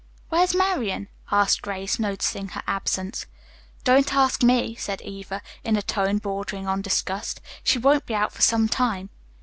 "Where's Marian?" asked Grace, noticing her absence. "Don't ask me," said Eva, in a tone bordering on disgust. "She won't be out for some time."